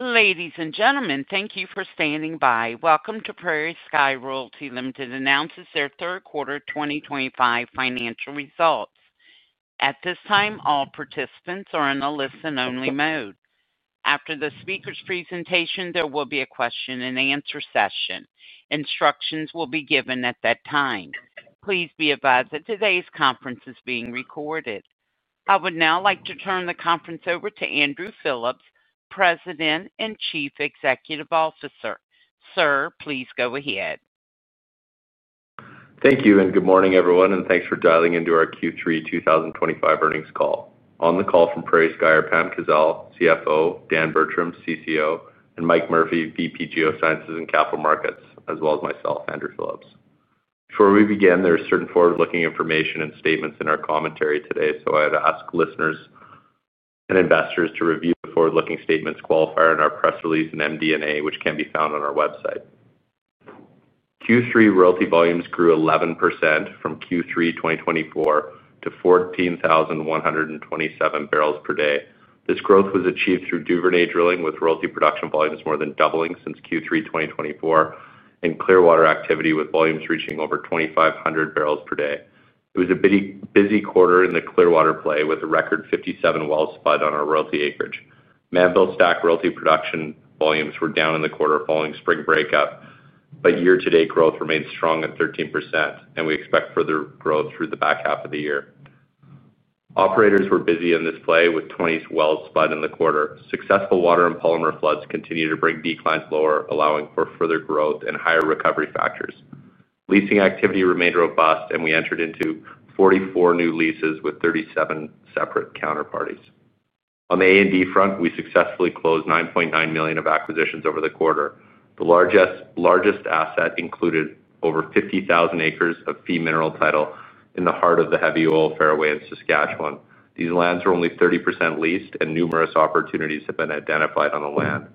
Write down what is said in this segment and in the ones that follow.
Ladies and gentlemen, thank you for standing by. Welcome to PrairieSky Royalty Ltd. announces their third quarter 2025 financial results. At this time, all participants are in a listen-only mode. After the speaker's presentation, there will be a question-and-answer session. Instructions will be given at that time. Please be advised that today's conference is being recorded. I would now like to turn the conference over to Andrew Phillips, President and Chief Executive Officer. Sir, please go ahead. Thank you, and good morning everyone, and thanks for dialing into our Q3 2025 earnings call. On the call from PrairieSky Royalty Ltd. are Pam Kazeil, CFO, Dan Bertram, CCO, and Mike Murphy, VP of Geosciences and Capital Markets, as well as myself, Andrew Phillips. Before we begin, there are certain forward-looking information and statements in our commentary today, so I would ask listeners and investors to review the forward-looking statements qualifier in our press release and MD&A, which can be found on our website. Q3 royalty volumes grew 11% from Q3 2024 to 14,127 bbl/d. This growth was achieved through Duvernay drilling, with royalty production volumes more than doubling since Q3 2024, and Clearwater activity with volumes reaching over 2,500 bbl/d. It was a busy quarter in the Clearwater play, with a record 57 wells spud on our royalty acreage. Mannville Stack royalty production volumes were down in the quarter following spring breakup, but year-to-date growth remains strong at 13%, and we expect further growth through the back half of the year. Operators were busy in this play, with 20 wells spud in the quarter. Successful water and polymer floods continue to bring declines lower, allowing for further growth and higher recovery factors. Leasing activity remained robust, and we entered into 44 new leases with 37 separate counterparties. On the A&D front, we successfully closed $9.9 million of acquisitions over the quarter. The largest asset included over 50,000 acres of fee mineral title in the heart of the heavy oil fairway of Saskatchewan. These lands were only 30% leased, and numerous opportunities have been identified on the land.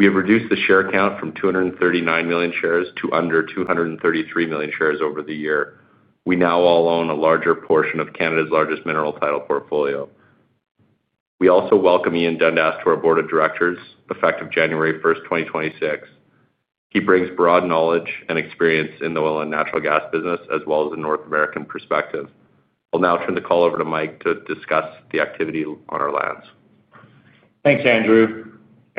We have reduced the share count from 239 million shares to under 233 million shares over the year. We now all own a larger portion of Canada's largest mineral title portfolio. We also welcome Ian Dundas to our board of directors effective January 1st, 2026. He brings broad knowledge and experience in the oil and natural gas business, as well as a North American perspective. I'll now turn the call over to Mike to discuss the activity on our lands. Thanks, Andrew.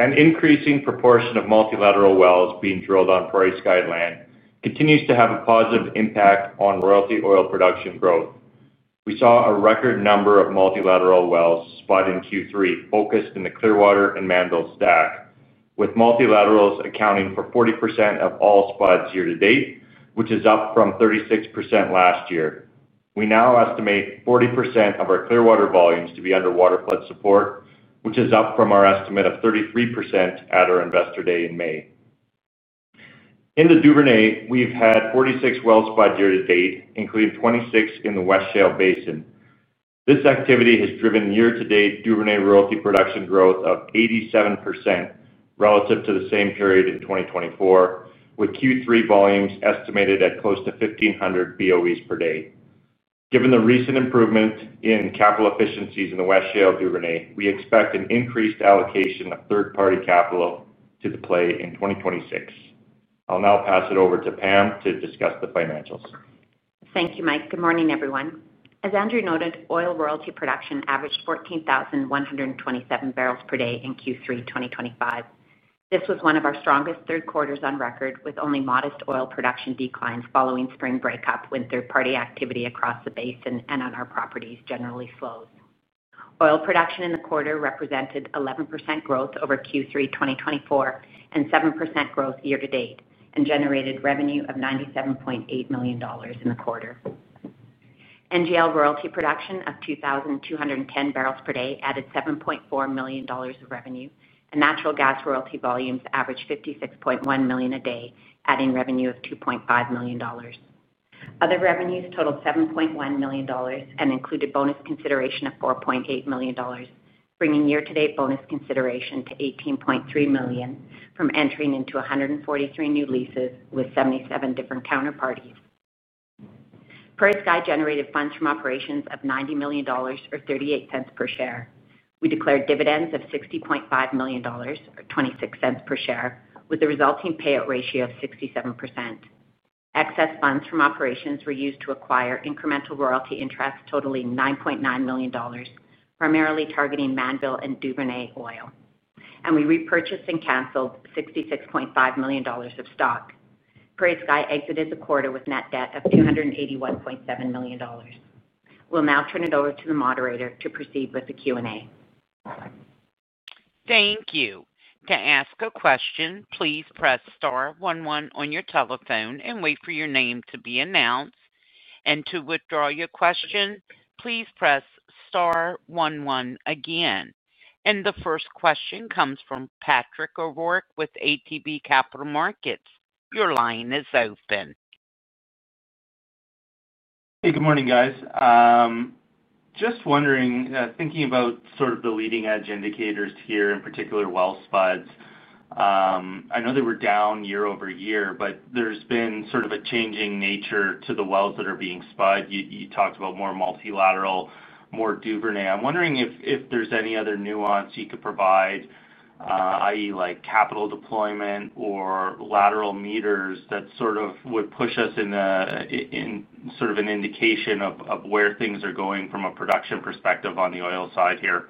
An increasing proportion of multilateral wells being drilled on PrairieSky land continues to have a positive impact on royalty oil production growth. We saw a record number of multilateral wells spud in Q3, focused in the Clearwater and Mannville Stack, with multilaterals accounting for 40% of all spuds year-to-date, which is up from 36% last year. We now estimate 40% of our Clearwater volumes to be under water flood support, which is up from our estimate of 33% at our investor day in May. In the Duvernay, we've had 46 wells spud year-to-date, including 26 in the West Shale Basin. This activity has driven year-to-date Duvernay royalty production growth of 87% relative to the same period in 2023, with Q3 volumes estimated at close to 1,500 boe/d. Given the recent improvement in capital efficiencies in the West Shale and Duvernay, we expect an increased allocation of third-party capital to the play in 2026. I'll now pass it over to Pam to discuss the financials. Thank you, Mike. Good morning everyone. As Andrew noted, oil royalty production averaged 14,127 bbl/d in Q3 2025. This was one of our strongest third quarters on record, with only modest oil production declines following spring breakup when third-party activity across the basin and on our properties generally slows. Oil production in the quarter represented 11% growth over Q3 2024 and 7% growth year-to-date and generated revenue of $97.8 million in the quarter. NGL royalty production of 2,210 bbl/d added $7.4 million of revenue, and natural gas royalty volumes averaged $56.1 million a day, adding revenue of $2.5 million. Other revenues totaled $7.1 million and included bonus consideration of $4.8 million, bringing year-to-date bonus consideration to $18.3 million from entering into 143 new leases with 77 different counterparties. PrairieSky generated funds from operations of $90 million or $0.38 per share. We declared dividends of $60.5 million or $0.26 per share, with a resulting payout ratio of 67%. Excess funds from operations were used to acquire incremental royalty interest totaling $9.9 million, primarily targeting Mannville and Duvernay oil. We repurchased and canceled $66.5 million of stock. PrairieSky exited the quarter with net debt of $281.7 million. We'll now turn it over to the moderator to proceed with the Q&A. Thank you. To ask a question, please press star one one on your telephone and wait for your name to be announced. To withdraw your question, please press star one one again. The first question comes from Patrick O'Rourke with ATB Capital Markets. Your line is open. Hey, good morning guys. Just wondering, thinking about sort of the leading edge indicators here, in particular well spuds. I know they were down year-over-year, but there's been sort of a changing nature to the wells that are being spud. You talked about more multilateral, more Duvernay. I'm wondering if there's any other nuance you could provide, i.e., like capital deployment or lateral meters that sort of would push us in a sort of an indication of where things are going from a production perspective on the oil side here.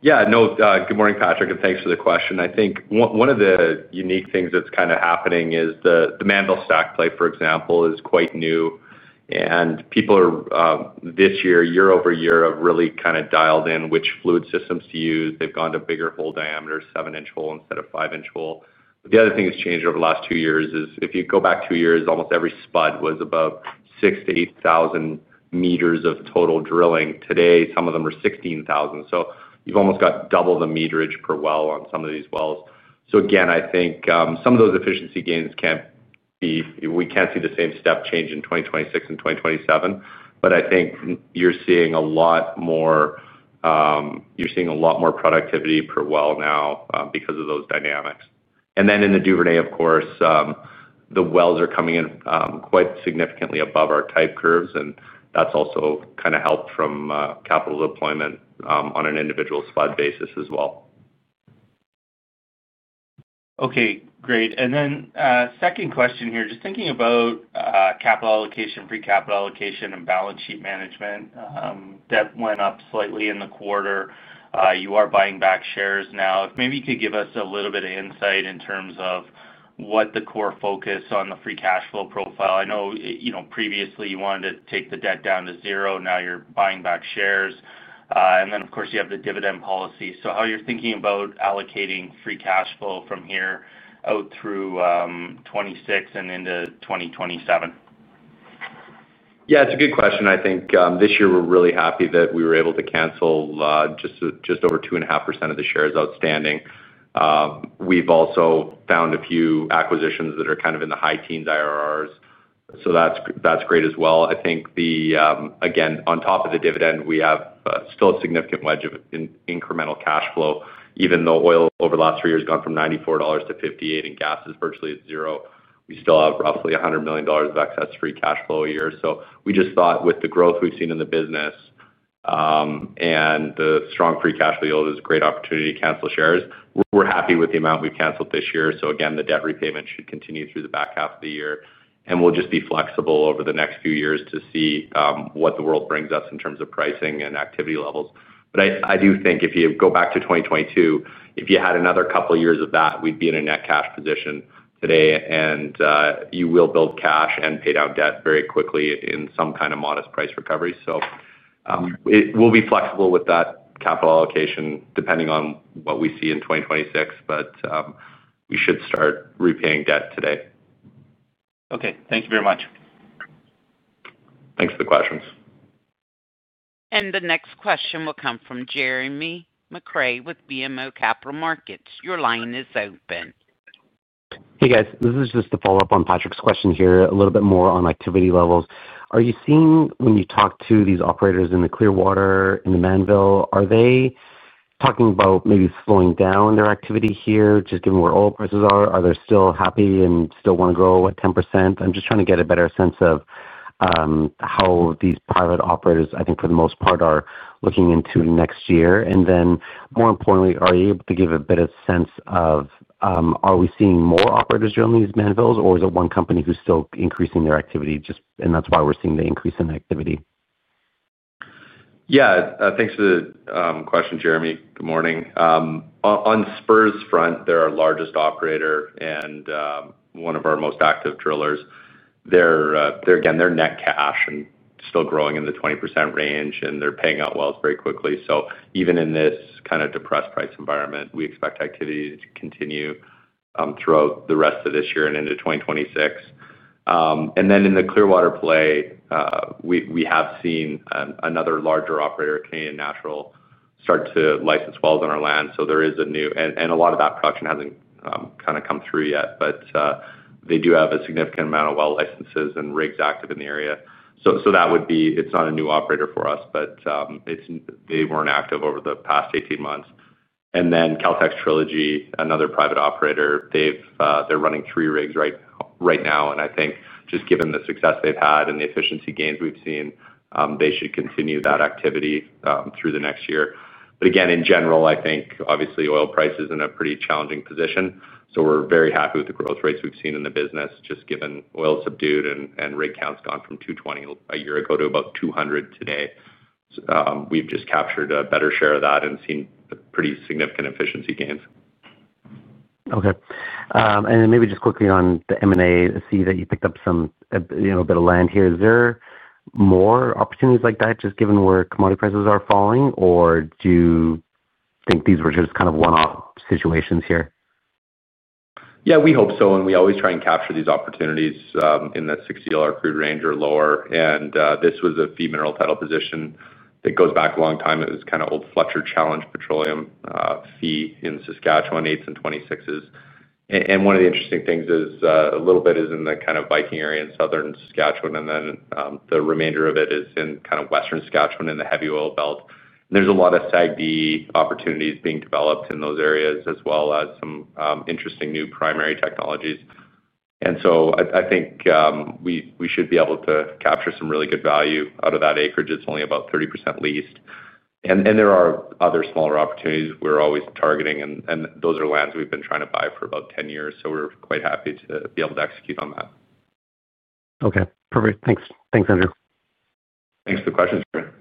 Yeah, no, good morning Patrick, and thanks for the question. I think one of the unique things that's kind of happening is the Mannville Stack play, for example, is quite new. People are, this year, year-over-year, really kind of dialed in which fluid systems to use. They've gone to bigger hole diameters, seven-inch hole instead of five-inch hole. The other thing that's changed over the last two years is if you go back two years, almost every spud was about 6,000-8,000 metres of total drilling. Today, some of them are 16,000 metres. You've almost got double the meterage per well on some of these wells. I think some of those efficiency gains can't be, we can't see the same step change in 2026 and 2027. I think you're seeing a lot more productivity per well now because of those dynamics. Then in the Duvernay, of course, the wells are coming in quite significantly above our type curves, and that's also kind of helped from capital deployment on an individual spud basis as well. Okay, great. Second question here, just thinking about capital allocation, free capital allocation, and balance sheet management. Debt went up slightly in the quarter. You are buying back shares now. If maybe you could give us a little bit of insight in terms of what the core focus on the free cash flow profile is. I know, previously you wanted to take the debt down to zero. Now you're buying back shares. Of course, you have the dividend policy. How you're thinking about allocating free cash flow from here out through 2026 and into 2027? Yeah, it's a good question. I think this year we're really happy that we were able to cancel just over 2.5% of the shares outstanding. We've also found a few acquisitions that are kind of in the high teens IRRs. That's great as well. I think, again, on top of the dividend, we have still a significant wedge of incremental cash flow. Even though oil over the last three years has gone from $94-$58 and gas is virtually at zero, we still have roughly $100 million of excess free cash flow a year. We just thought with the growth we've seen in the business and the strong free cash flow yield, it was a great opportunity to cancel shares. We're happy with the amount we've canceled this year. The debt repayment should continue through the back half of the year. We'll just be flexible over the next few years to see what the world brings us in terms of pricing and activity levels. I do think if you go back to 2022, if you had another couple of years of that, we'd be in a net cash position today and you will build cash and pay down debt very quickly in some kind of modest price recovery. We'll be flexible with that capital allocation depending on what we see in 2026, but we should start repaying debt today. Okay, thank you very much. Thanks for the questions. The next question will come from Jeremy McCrea with BMO Capital Markets. Your line is open. Hey guys, this is just to follow up on Patrick's question here, a little bit more on activity levels. Are you seeing when you talk to these operators in the Clearwater, in the Mannville, are they talking about maybe slowing down their activity here just given where oil prices are? Are they still happy and still want to grow at 10%? I'm just trying to get a better sense of how these private operators, I think for the most part, are looking into next year. More importantly, are you able to give a better sense of are we seeing more operators join these Mannvilles or is it one company who's still increasing their activity just and that's why we're seeing the increase in activity? Yeah, thanks for the question, Jeremy. Good morning. On Spur's front, they're our largest operator and one of our most active drillers. They're net cash and still growing in the 20% range, and they're paying out wells very quickly. Even in this kind of depressed price environment, we expect activity to continue throughout the rest of this year and into 2026. In the Clearwater play, we have seen another larger operator, [K&N Natural] start to license wells on our land. A lot of that production hasn't come through yet, but they do have a significant amount of well licenses and rigs active in the area. That would be, it's not a new operator for us, but they weren't active over the past 18 months. Caltech Trilogy, another private operator, is running three rigs right now. I think just given the success they've had and the efficiency gains we've seen, they should continue that activity through the next year. In general, I think obviously oil price is in a pretty challenging position. We're very happy with the growth rates we've seen in the business, just given oil subdued and rig counts gone from 220 a year ago to about 200 today. We've just captured a better share of that and seen pretty significant efficiency gains. Okay. Maybe just quickly on the M&A, I see that you picked up some, you know, a bit of land here. Is there more opportunities like that just given where commodity prices are falling? Do you think these were just kind of one-off situations here? Yeah, we hope so. We always try and capture these opportunities in that $60 crude range or lower. This was a fee mineral title position that goes back a long time. It was kind of old Fletcher Challenge Petroleum fee in Saskatchewan, 8s and 26s. One of the interesting things is a little bit is in the kind of Viking area in southern Saskatchewan. The remainder of it is in kind of western Saskatchewan in the heavy oil belt. There are a lot of SAGD opportunities being developed in those areas as well as some interesting new primary technologies. I think we should be able to capture some really good value out of that acreage. It's only about 30% leased. There are other smaller opportunities we're always targeting. Those are lands we've been trying to buy for about 10 years. We're quite happy to be able to execute on that. Okay, perfect. Thanks, thanks Andrew. Thanks for the questions, Jeremy.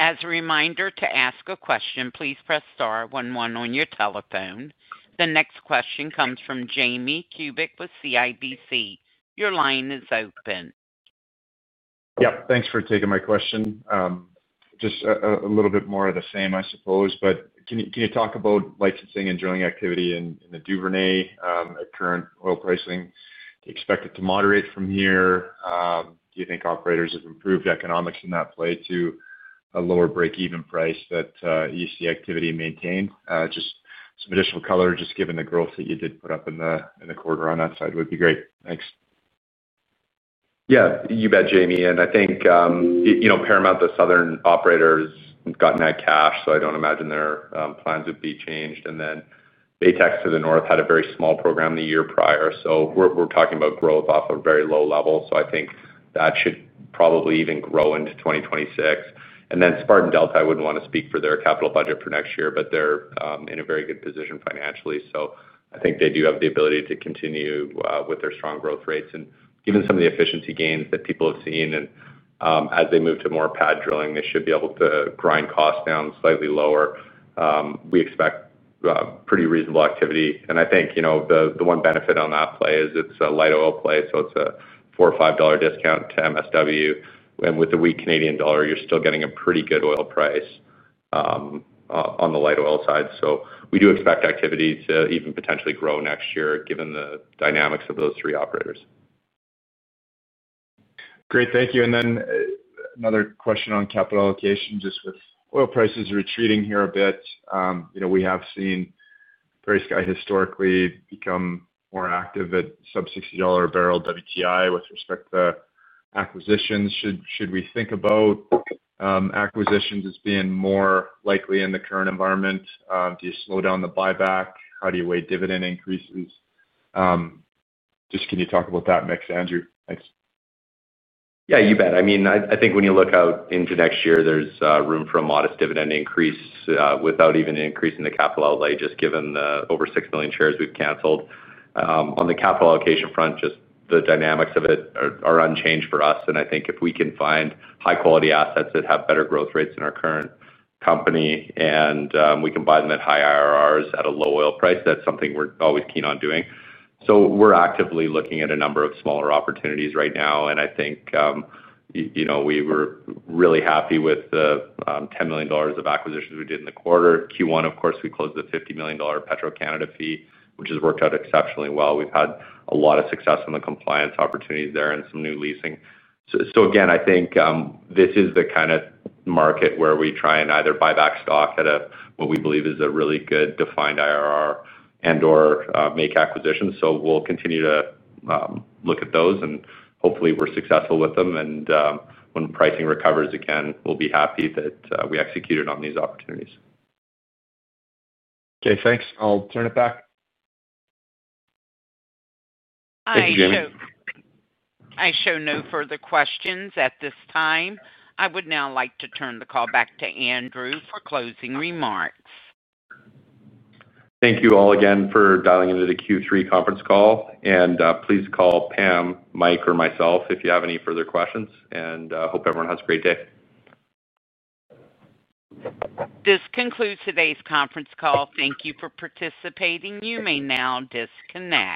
As a reminder, to ask a question, please press star one one on your telephone. The next question comes from Jamie Kubik with CIBC. Your line is open. Yep, thanks for taking my question. Just a little bit more of the same, I suppose. Can you talk about licensing and drilling activity in the Duvernay at current oil pricing? Do you expect it to moderate from here? Do you think operators have improved economics in that play to a lower break-even price that you see activity maintained? Just some additional color, just given the growth that you did put up in the quarter on that side would be great. Thanks. Yeah, you bet, Jamie. I think, you know, Paramount, the southern operators, have gotten that cash. I don't imagine their plans would be changed. [Baytex] to the north had a very small program the year prior. We're talking about growth off a very low level. I think that should probably even grow into 2026. Spartan Delta, I wouldn't want to speak for their capital budget for next year, but they're in a very good position financially. I think they do have the ability to continue with their strong growth rates. Given some of the efficiency gains that people have seen, and as they move to more pad drilling, they should be able to grind costs down slightly lower. We expect pretty reasonable activity. I think, you know, the one benefit on that play is it's a light oil play. It's a $4 or $5 discount to MSW. With the weak Canadian dollar, you're still getting a pretty good oil price on the light oil side. We do expect activity to even potentially grow next year given the dynamics of those three operators. Great, thank you. Another question on capital allocation, just with oil prices retreating here a bit. We have seen PrairieSky historically become more active at sub $60 a barrel WTI with respect to acquisitions. Should we think about acquisitions as being more likely in the current environment? Do you slow down the buyback? How do you weigh dividend increases? Can you talk about that mix, Andrew? Yeah, you bet. I mean, I think when you look out into next year, there's room for a modest dividend increase without even increasing the capital outlay, just given the over 6 million shares we've canceled. On the capital allocation front, just the dynamics of it are unchanged for us. I think if we can find high-quality assets that have better growth rates than our current company, and we can buy them at high IRRs at a low oil price, that's something we're always keen on doing. We're actively looking at a number of smaller opportunities right now. I think we were really happy with the $10 million of acquisitions we did in the quarter. Q1, of course, we closed the $50 million Petro-Canada fee, which has worked out exceptionally well. We've had a lot of success in the compliance opportunities there and some new leasing. This is the kind of market where we try and either buy back stock at what we believe is a really good defined IRR and/or make acquisitions. We'll continue to look at those, and hopefully we're successful with them. When pricing recovers again, we'll be happy that we executed on these opportunities. Okay, thanks. I'll turn it back. Thank you, Jamie. I show no further questions at this time. I would now like to turn the call back to Andrew for closing remarks. Thank you all again for dialing into the Q3 conference call. Please call Pam, Mike, or myself if you have any further questions. I hope everyone has a great day. This concludes today's conference call. Thank you for participating. You may now disconnect.